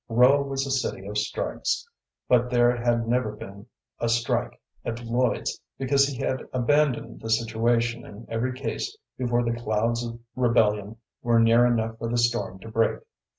Rowe was a city of strikes, but there had never been a strike at Lloyd's because he had abandoned the situation in every case before the clouds of rebellion were near enough for the storm to break.